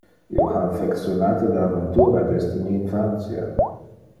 Io ha affectionate le aventura desde mi infantia.